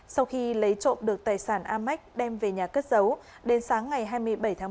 sau khi lấy trộm được tài sản amex đem về nhà cất giấu đến sáng ngày hai mươi bảy tháng ba